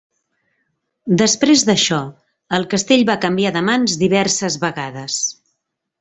Després d'això, el castell va canviar de mans diverses vegades.